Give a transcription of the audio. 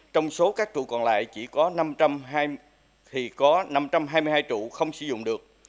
trong số các trụ còn lại chỉ có năm trăm hai mươi hai trụ không sử dụng được